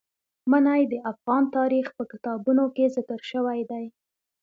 منی د افغان تاریخ په کتابونو کې ذکر شوی دي.